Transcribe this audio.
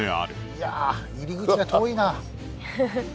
いや入り口が遠いな。